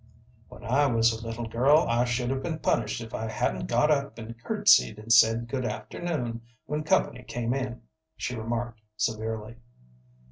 "When I was a little girl I should have been punished if I hadn't got up and curtsied and said good afternoon when company came in," she remarked, severely.